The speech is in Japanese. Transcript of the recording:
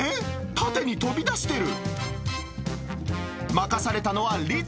縦に飛び出してる。